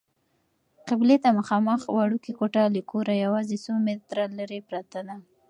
قبلې ته مخامخ وړوکې کوټه له کوره یوازې څو متره لیرې پرته ده.